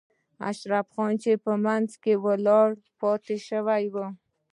اشرف خان چې په منځ کې ولاړ پاتې شوی و.